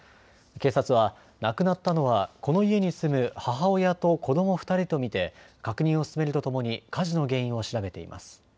警察は亡くなったのはこの家に住む母親と子ども２人と見て確認を進めるとともに火事の原因を調べています。